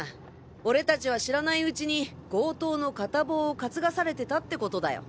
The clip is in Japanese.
俺たちは知らないうちに強盗の片棒を担がされてたってことだよ。